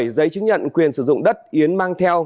giấy chứng nhận quyền sử dụng đất yến mang theo